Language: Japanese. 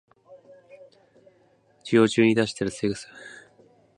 授業中に出したら学生生活終わるナリ